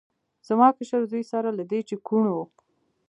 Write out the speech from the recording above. زما کشر زوی سره له دې چې کوڼ و.